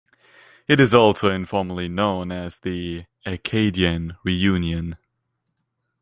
It is also informally known as the "Acadian Reunion".